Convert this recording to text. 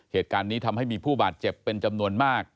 เหตุการณ์นี้ทำให้มีผู้บาดเจ็บเป็นจำนวนมาก